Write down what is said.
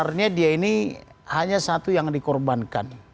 sebenarnya dia ini hanya satu yang dikorbankan